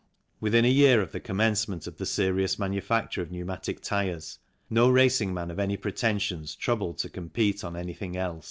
Within a year of the commencement of the serious manufacture of pneumatic tyres no racing man of any pretensions troubled to compete on anything else.